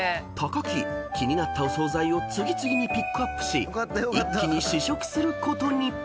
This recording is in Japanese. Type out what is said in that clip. ［木気になったお総菜を次々にピックアップし一気に試食することに］